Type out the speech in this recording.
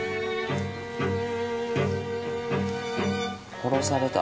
殺された？